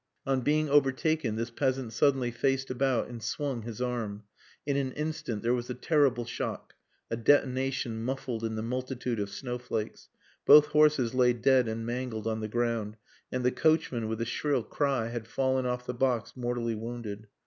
On being overtaken this peasant suddenly faced about and swung his arm. In an instant there was a terrible shock, a detonation muffled in the multitude of snowflakes; both horses lay dead and mangled on the ground and the coachman, with a shrill cry, had fallen off the box mortally wounded.